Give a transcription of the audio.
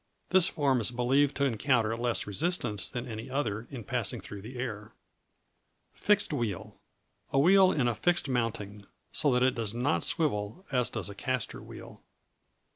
This form is believed to encounter less resistance than any other, in passing through the air. Fixed Wheel A wheel in a fixed mounting, so that it does not swivel as does a caster wheel.